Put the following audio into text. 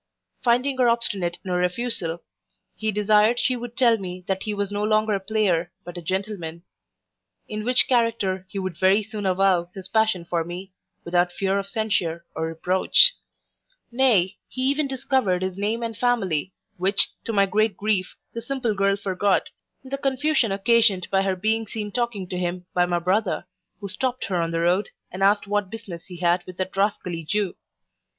Finding her obstinate in her refusal, he desired she would tell me that he was no longer a player, but a gentleman; in which character he would very soon avow his passion for me, without fear of censure or reproach Nay, he even discovered his name and family, which, to my great grief, the simple girl forgot, in the confusion occasioned by her being seen talking to him by my brother, who stopt her on the road, and asked what business she had with that rascally Jew.